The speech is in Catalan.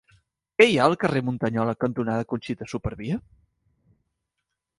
Què hi ha al carrer Muntanyola cantonada Conxita Supervia?